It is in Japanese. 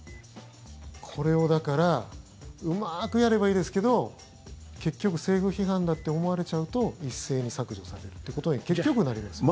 これをだからうまくやればいいですけど結局、政府批判だって思われちゃうと一斉に削除されるってことに結局なりますね。